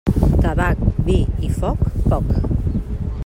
Tabac, vi i foc, poc.